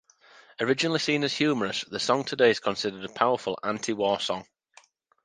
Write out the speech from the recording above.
Originally seen as humorous, the song today is considered a powerful anti-war song.